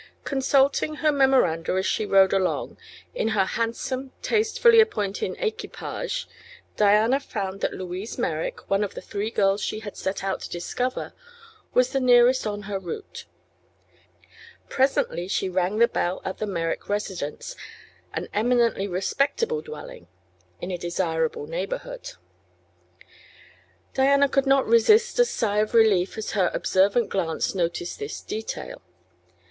Consulting her memoranda as she rode along; in her handsome, tastefully appointed equipage, Diana found that Louise Merrick, one of the three girls she had set out to discover, was the nearest on her route. Presently she rang the bell at the Merrick residence, an eminently respectable dwelling; in a desirable neighborhood. Diana could not resist a sigh of relief as her observant glance noted this detail.